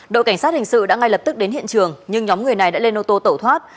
đội cảnh sát hình sự đã ngay lập tức đến hiện trường nhưng nhóm người này đã lên ô tô tẩu thoát